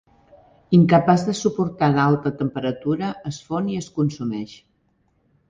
Incapaç de suportar l'alta temperatura, es fon i es consumeix.